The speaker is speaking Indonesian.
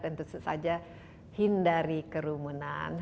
tentu saja hindari kerumunan